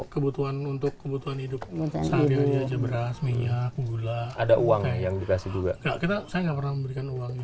kebutuhan untuk kebutuhan hidup saja aja beras minyak gula ada uang yang dikasih juga